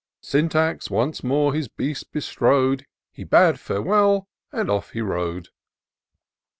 Syntax once more his beast bestrode ; He bade farewell, and off he rode.